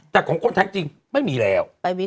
แต่ของคนไทยจริงไม่มีแล้ว